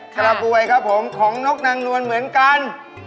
กระบวยของนกนางนวนเหมือนกัน